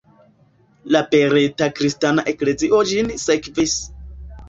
La barata kristana eklezio ĝin sekvis.